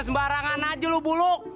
sembarangan aja lu buluk